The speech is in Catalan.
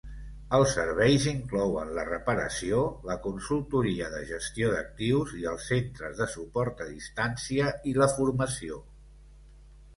Els serveis inclouen la reparació, la consultoria de gestió d'actius i els centres de suport a distància i la formació.